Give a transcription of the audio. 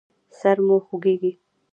سر مو خوږیږي؟